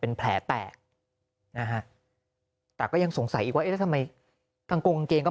เป็นแผลแตกนะฮะแต่ก็ยังสงสัยอีกว่าเอ๊ะแล้วทำไมกางกงกางเกงก็